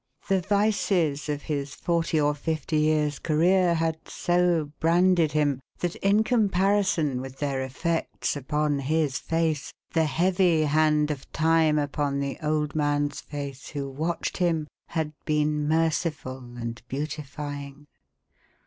The vices of his forty or fifty years1 career had so branded him, that, in comparison with their effects upon his face, the heavy hand of time upon the old man's face who watched him had been merciful and beautifying.